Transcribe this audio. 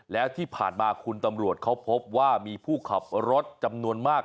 แล้วที่ผ่านมาคุณตำรวจเขาพบว่ามีผู้ขับรถจำนวนมาก